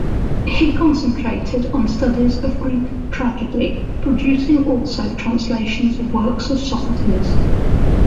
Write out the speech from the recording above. He concentrated on studies of Greek tragedy, producing also translations of works of Sophocles.